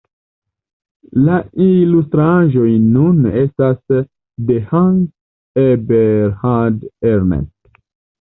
La ilustraĵoj nun estas de Hans-Eberhard Ernst.